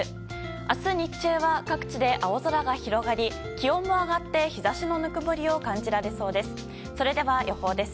明日日中は各地で青空が広がり気温も上がって日差しのぬくもりを感じられそうです。